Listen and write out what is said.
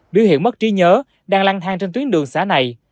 biểu hiện mất trí nhớ đang lăng thang trên tuyến đường xã này